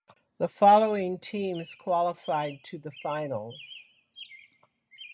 The following teams qualified to the finals.